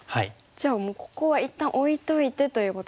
じゃあもうここは一旦置いといてということですか？